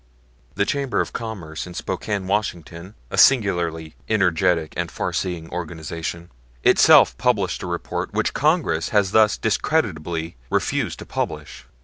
The Chamber of Commerce of Spokane, Washington, a singularly energetic and far seeing organization, itself published the report which Congress had thus discreditably refused to publish.